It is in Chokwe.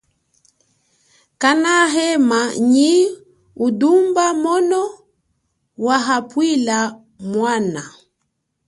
Kana hema nyi udumba mono wahapwila mwana.